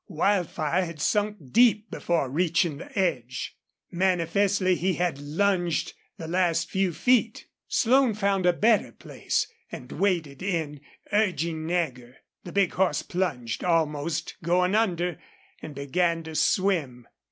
Wildfire had sunk deep before reaching the edge. Manifestly he had lunged the last few feet. Slone found a better place, and waded in, urging Nagger. The big horse plunged, almost going under, and began to swim.